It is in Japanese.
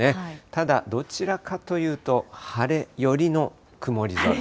ただ、どちらかというと、晴れ寄晴れ寄りの曇り？